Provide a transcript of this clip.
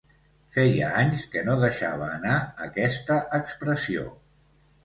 Feia anys que no deixava anar aquesta expressió.